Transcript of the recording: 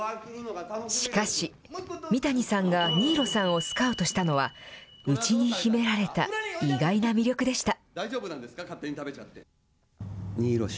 しかし、三谷さんが新納さんをスカウトしたのは、内に秘められた意外な魅力でした。